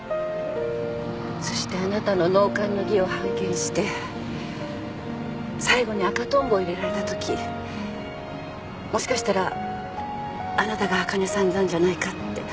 そしてあなたの納棺の儀を拝見して最後に赤トンボを入れられたときもしかしたらあなたがあかねさんなんじゃないかって。